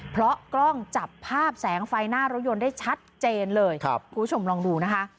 เพราะกล้องจับภาพแสงไฟหน้ารถยนต์ได้ชัดเจนเลยครับคุณผู้ชมลองดูนะคะ